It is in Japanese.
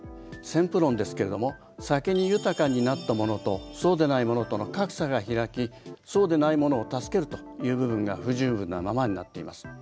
先富論ですけれども先に豊かになった者とそうでない者との格差が開きそうでない者を助けるという部分が不十分なままになっています。